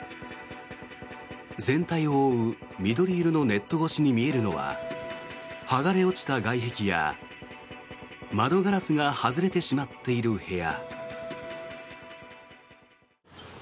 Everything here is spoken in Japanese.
全体を覆う緑色のネット越しに見えるのは剥がれ落ちた外壁や窓ガラスが外れてしまっている部屋。